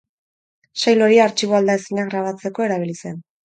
Sail hori artxibo aldaezinak grabatzeko erabili zen.